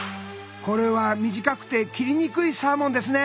これは短くて切りにくいサーモンですね。